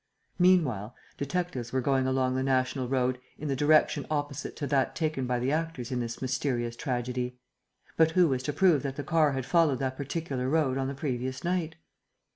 Meanwhile, detectives were going along the national road in the direction opposite to that taken by the actors in this mysterious tragedy. But who was to prove that the car had followed that particular road on the previous night?